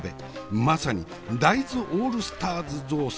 まさに大豆オールスターズ雑炊。